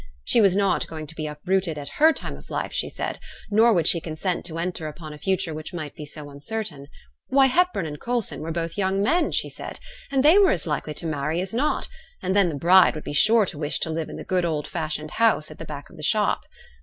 She was not going to be uprooted at her time of life, she said, nor would she consent to enter upon a future which might be so uncertain. Why, Hepburn and Coulson were both young men, she said, and they were as likely to marry as not; and then the bride would be sure to wish to live in the good old fashioned house at the back of the shop.